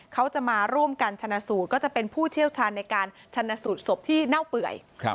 เขาจะมาร่วมกันชนะสูตรก็จะเป็นผู้เชี่ยวชาญในการชนสูตรศพที่เน่าเปื่อย